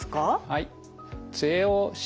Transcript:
はい。